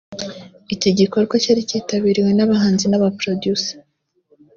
Iki gikorwa cyari cyitabiriwe n’abahanzi n’aba Producer